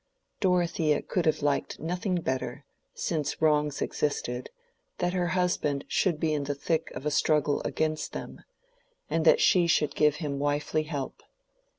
Dorothea could have liked nothing better, since wrongs existed, than that her husband should be in the thick of a struggle against them, and that she should give him wifely help.